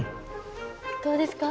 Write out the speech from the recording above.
どうですか？